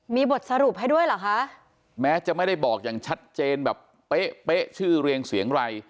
มีบทสรุปให้ด้วยเหรอคะแม้จะไม่ได้บอกอย่างชัดเจนแบบเป๊ะเป๊ะชื่อเรียงเสียงไร